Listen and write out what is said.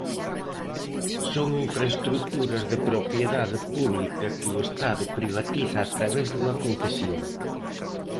Son infraestruturas de propiedade pública que o Estado privatiza a través dunha concesión.